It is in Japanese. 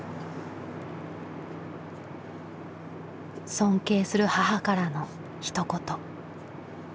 尊敬する母からのひと言。